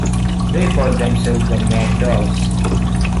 They called themselves the Mad Dogs.